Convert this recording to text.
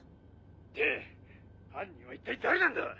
で犯人は一体誰なんだ？